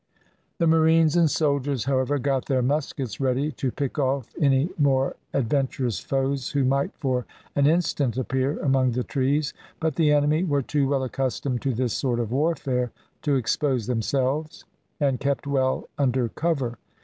The marines and soldiers, however, got their muskets ready to pick off any more adventurous foes who might for an instant appear among the trees, but the enemy were too well accustomed to this sort of warfare to expose themselves, and kept well under cover.